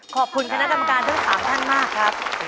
ขอบคุณคณะกรรมการทั้ง๓ท่านมากครับ